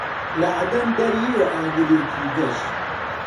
لە عەدەن دەریێ ئاگرێکی گەش